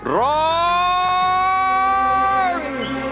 ร้อง